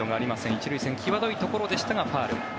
１塁線際どいところでしたがファウル。